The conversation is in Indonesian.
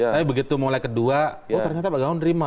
tapi begitu mulai kedua oh ternyata pak gawon terima